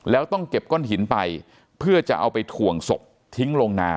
แล้วต้องเก็บก้อนหินไปเพื่อจะเอาไปถ่วงศพทิ้งลงนา